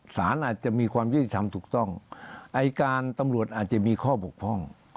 สารอาจจะมีความยุติธรรมถูกต้องอายการตำรวจอาจจะมีข้อบกพร่อง